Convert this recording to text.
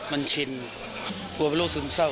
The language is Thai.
มันชินกลัวเป็นโรคซึมเศร้า